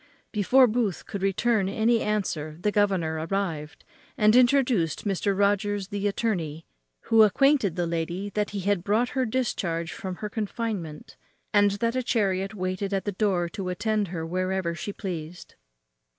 Before Booth could return any answer the governor arrived, and introduced Mr. Rogers the attorney, who acquainted the lady that he had brought her discharge from her confinement, and that a chariot waited at the door to attend her wherever she pleased.